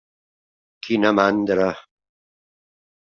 Quina mandra!